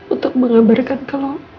untuk mengabarkan kalau